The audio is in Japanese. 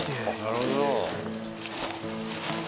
なるほど。